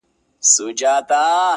ګرم مي و نه بولی چي شپه ستایمه ,